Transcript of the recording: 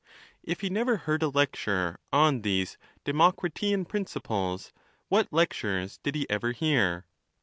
If he never beard a lecture on these Democritean principles, what lectures did he ever hear?